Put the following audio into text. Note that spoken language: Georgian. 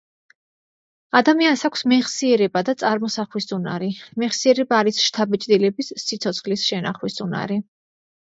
ადამიანს აქვს მეხსიერება და წარმოსახვის უნარი, მეხსიერება არის შთაბეჭდილების სიცოცხლის შენახვის უნარი.